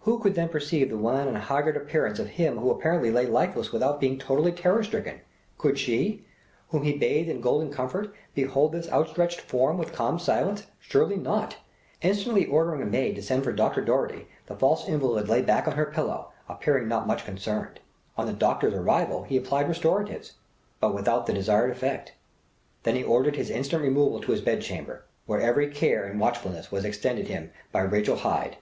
Who could then perceive the wan and haggard appearance of him who apparently lay lifeless without being totally terror stricken could she, whom he bathed in golden comfort, behold this outstretched form with calm silence? Surely not! Instantly ordering a maid to send for Doctor Doherty, the false invalid lay back on her pillow, appearing not much concerned. On the doctor's arrival he applied restoratives, but without the desired effect. Then he ordered his instant removal to his bed chamber, where every care and watchfulness was extended him by Rachel Hyde.